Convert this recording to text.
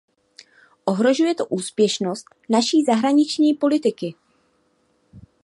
Ohrožuje to úspěšnost naší zahraniční politiky.